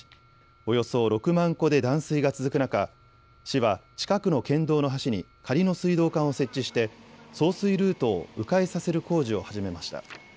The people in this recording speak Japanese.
およそ６万戸で断水が続く中、市は近くの県道の橋に仮の水道管を設置して送水ルートをう回させる工事を始めました。